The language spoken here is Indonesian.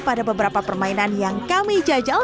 pada beberapa permainan yang kami jajal